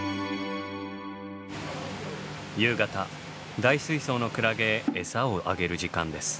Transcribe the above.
夕方大水槽のクラゲへエサをあげる時間です。